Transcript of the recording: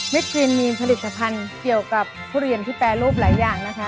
ครีนมีผลิตภัณฑ์เกี่ยวกับทุเรียนที่แปรรูปหลายอย่างนะคะ